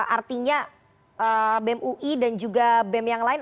artinya bem ui dan juga bem yang lain